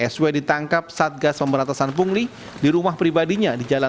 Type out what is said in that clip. sw ditangkap saat gas pemberatasan pungli di rumah pribadinya